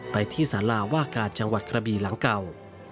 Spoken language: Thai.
ไปที่สาราว่าการจังหวัดกระบีหลังเก่า